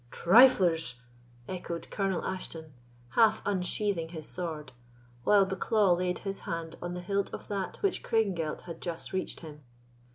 "Triflers!" echoed Colonel Ashton, half unsheathing his sword, while Bucklaw laid his hand on the hilt of that which Craigengelt had just reached him.